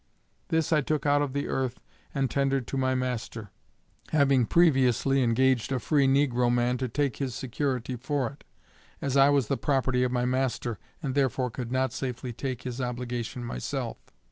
This I took out of the earth and tendered to my master, having previously engaged a free negro man to take take his security for it, as I was the property of my master, and therefore could not safely take his obligation myself.